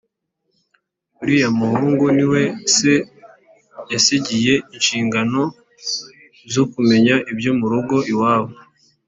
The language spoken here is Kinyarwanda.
uriya muhungu niwe se yasigiye ishingano zokumenya ibyo murugo iwabo